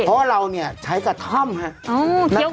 เพราะว่าเราใช้กับถ้ำครับ